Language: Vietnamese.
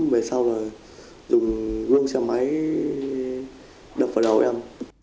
về sau là dùng gương xe máy đập vào đầu em